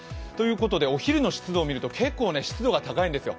お昼の湿度を見ると結構湿度が高いんですよ。